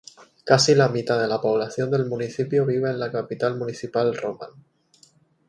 Casi la mitad de la población del municipio vive en la capital municipal Roman.